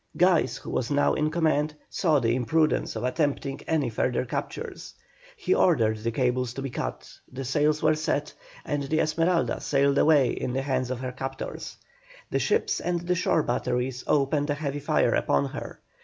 Guise, who was now in command, saw the imprudence of attempting any further captures. He ordered the cables to be cut, the sails were set, and the Esmeralda sailed away in the hands of her captors. The ships and the shore batteries opened a heavy fire upon her.